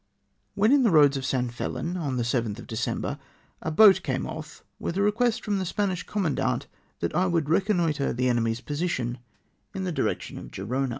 When in tlie roads of San Felin, on the 7tli of Decem ber, a boat came off witli a request from tlie Spanish commandant that I would reconnoitre the enemy's posi tion in the dhection of Gerona.